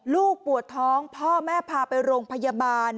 ลูกปวดท้องพ่อแม่พาไปโรงพยาบาล